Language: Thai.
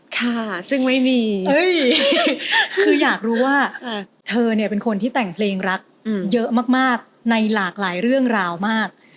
ค่ะซึ่งไม่มีคืออยากรู้ว่าเธอเนี่ยเป็นคนที่แต่งเพลงรักเยอะมากในหลากหลายเรื่องราวมาก